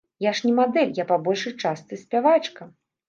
Я ж не мадэль, я па большай частцы спявачка.